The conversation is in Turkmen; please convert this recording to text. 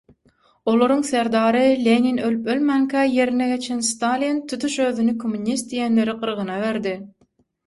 Olaryň serdary Lenin ölüp-ölmänkä ýerine geçen Stalin tutuş özüne kommunist diýenleri gyrgyna berdi.